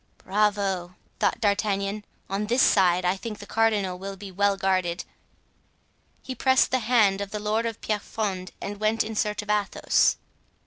"Bravo!" thought D'Artagnan; "on this side I think the cardinal will be well guarded." He pressed the hand of the lord of Pierrefonds and went in search of Athos.